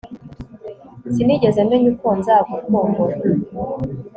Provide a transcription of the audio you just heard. Sinigeze menya uko nzagukumbura